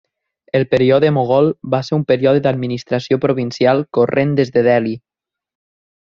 El període mogol va ser un període d'administració provincial corrent des de Delhi.